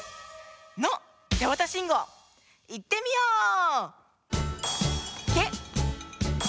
信号いってみよう！